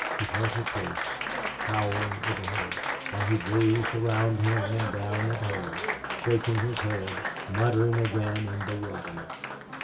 He held her close, towering over her, while he gazed around him and down at her, shaking his head, muttering again in bewilderment.